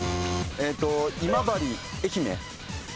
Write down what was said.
今治愛媛。